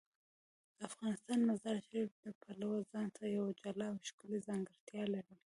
افغانستان د مزارشریف د پلوه ځانته یوه جلا او ښکلې ځانګړتیا لري.